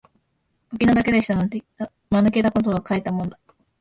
お気の毒でしたなんて、間抜けたことを書いたもんだ